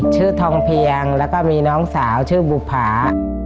ชื่อทองเพียงแล้วก็มีน้องสาวชื่อบุภา